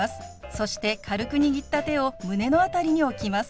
そして軽く握った手を胸の辺りに置きます。